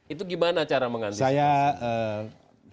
itu gimana cara menghentikan